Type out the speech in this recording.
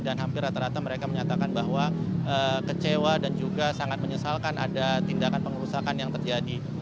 dan hampir rata rata mereka menyatakan bahwa kecewa dan juga sangat menyesalkan ada tindakan pengurusakan yang terjadi